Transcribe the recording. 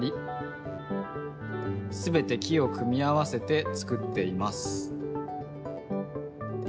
すべて木を組み合わせてつくっています。